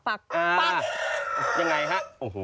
ได้มาหรือยังนะยังไงฮะ